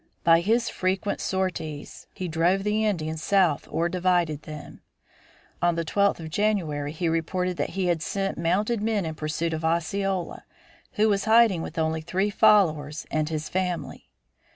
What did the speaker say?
By his frequent sorties he drove the Indians south or divided them. On the twelfth of January he reported that he had sent mounted men in pursuit of Osceola, who was hiding with only three followers and his family.